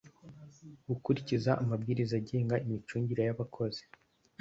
gukurikiza amabwiriza agenga imicungire y abakozi